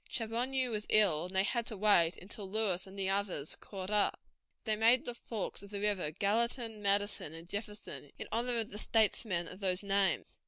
Chaboneau was ill, and they had to wait until Lewis and the others caught up. They named the forks of the river Gallatin, Madison, and Jefferson, in honor of the statesmen of those names.